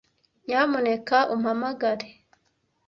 Nyamuneka umpamagare